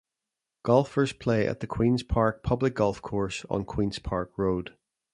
Golfers play at the Queens Park Public Golf Course on Queens Park Road.